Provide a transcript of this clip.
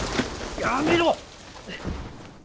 やめろ！